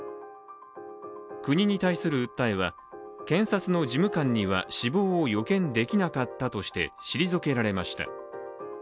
国に対する訴えは検察の事務官には死亡を予見できなかったとして退けられました。